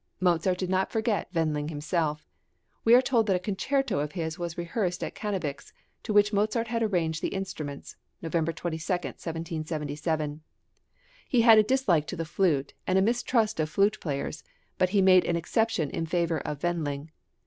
Mozart did not forget Wendling himself. We are told that a concerto of his was rehearsed at Cannabich's, to which Mozart had arranged the instruments (November 22, 1777). He had a dislike to the flute and a mistrust of flute players, but he made an exception in favour of Wendling.